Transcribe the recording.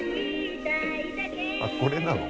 あっこれなの？